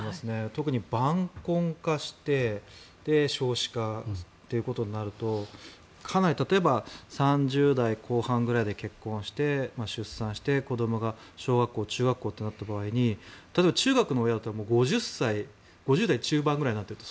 特に晩婚化して少子化ということになると例えば３０代後半ぐらいで結婚して出産して、子どもが小学校、中学校となった場合中学の親だったら５０代中盤ぐらいになっていると。